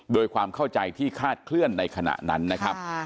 โดยความเข้าใจที่คาดเคลื่อนในขณะนั้นนะครับ